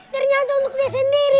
ternyata untuk dia sendiri